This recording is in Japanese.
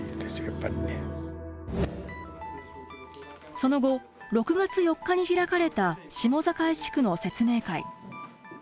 その後６月４日に開かれた下境地区の説明会。